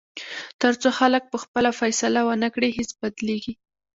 تر څو خلک پخپله فیصله ونه کړي، هیڅ بدلېږي.